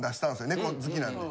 猫好きなんで。